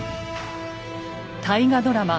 大河ドラマ